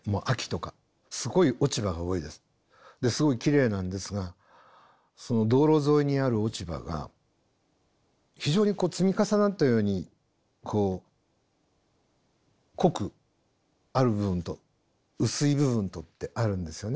ですごいきれいなんですが道路沿いにある落ち葉が非常に積み重なったようにこう濃くある部分と薄い部分とってあるんですよね。